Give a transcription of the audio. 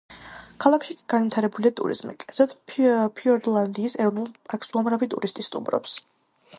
ქალაქში განვითარებულია ტურიზმი, კერძოდ, ფიორდლანდის ეროვნულ პარკს უამრავი ტურისტი სტუმრობს.